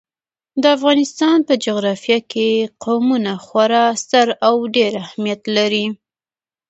د افغانستان په جغرافیه کې قومونه خورا ستر او ډېر اهمیت لري.